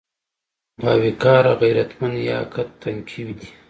باوقاره، غيرتمن يا که تنکي دي؟